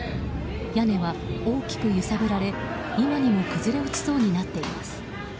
屋根は大きく揺さぶられ今にも崩れ落ちそうになっています。